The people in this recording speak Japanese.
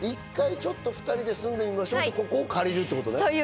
ちょっと２人で住んでみましょうということで、ここを借りるってわけ？